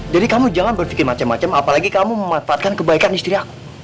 jadi kamu jangan berpikir macem macem apalagi kamu memanfaatkan kebaikan istri aku